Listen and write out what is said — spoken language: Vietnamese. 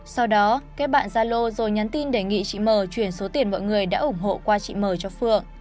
sau đó kết bạn gia lô rồi nhắn tin đề nghị chị m chuyển số tiền mọi người đã ủng hộ qua chị mờ cho phượng